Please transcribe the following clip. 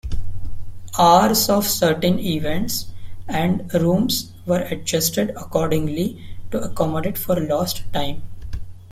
Hours of certain events and rooms were adjusted accordingly to accommodate for lost time.